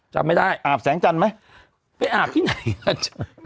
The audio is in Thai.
จำไม่ได้อาบแสงจันทร์ไหมไปอาบที่ไหนล่ะจ๊ะ